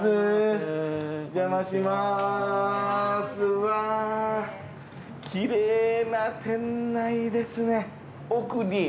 うわきれいな店内ですね。